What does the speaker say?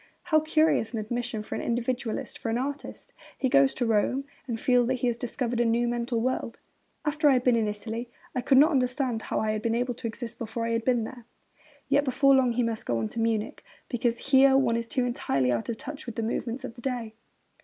How curious an admission for an individualist, for an artist! He goes to Rome, and feels that he has discovered a new mental world. 'After I had been in Italy I could not understand how I had been able to exist before I had been there.' Yet before long he must go on to Munich, because 'here one is too entirely out of touch with the movements of the day.'